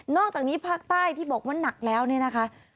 อกจากนี้ภาคใต้ที่บอกว่าหนักแล้วเนี่ยนะคะ